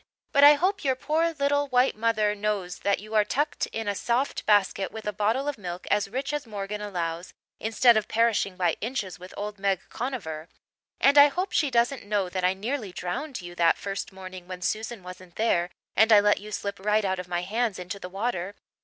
But I hope your poor little white mother knows that you're tucked in a soft basket with a bottle of milk as rich as Morgan allows instead of perishing by inches with old Meg Conover. And I hope she doesn't know that I nearly drowned you that first morning when Susan wasn't there and I let you slip right out of my hands into the water.